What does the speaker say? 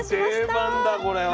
うわ定番だこれは。